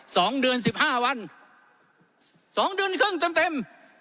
สองเดือนสิบห้าวันสองเดือนครึ่งเต็มเต็ม